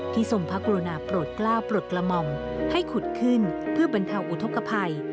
ทรงพระกรุณาโปรดกล้าวโปรดกระหม่อมให้ขุดขึ้นเพื่อบรรเทาอุทธกภัย